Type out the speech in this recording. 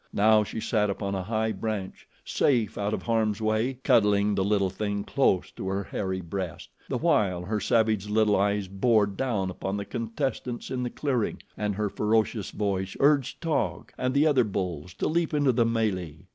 Now she sat upon a high branch, safe out of harm's way, cuddling the little thing close to her hairy breast, the while her savage little eyes bored down upon the contestants in the clearing, and her ferocious voice urged Taug and the other bulls to leap into the melee.